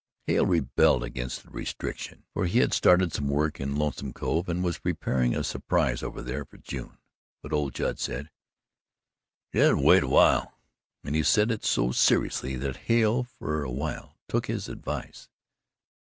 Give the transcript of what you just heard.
Hale rebelled against the restriction, for he had started some work in Lonesome Cove and was preparing a surprise over there for June, but old Judd said: "Just wait a while," and he said it so seriously that Hale for a while took his advice.